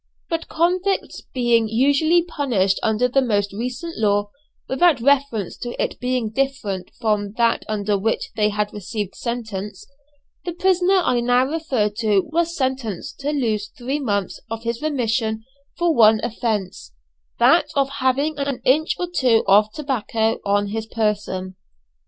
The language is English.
But convicts being usually punished under the most recent law, without reference to its being different from that under which they had received sentence, the prisoner I now refer to was sentenced to lose three months of his remission for one offence, that of having an inch or two of tobacco on his person.